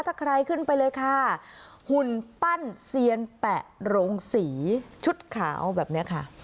ถ้าใครขึ้นไปเลยค่ะหุ่นปั้นเซียนแปะโรงสีชุดขาวแบบนี้ค่ะ